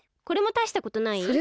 これもたいしたことない？